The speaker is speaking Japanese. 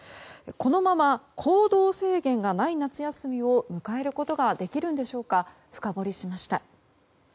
このまま行動制限がない夏休みを迎えることができるんでしょうか深掘りしました。